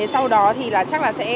sau đó thì chắc là sẽ